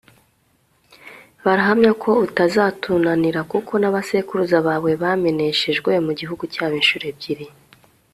barahamya ko utazatunanira kuko n'abasekuruza bawe bameneshejwe mu gihugu cyabo incuro ebyiri